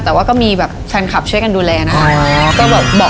แต่ว่าก็มีแบบแฟนคลับช่วยกันดูแลนะคะ